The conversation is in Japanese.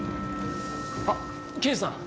あっ刑事さん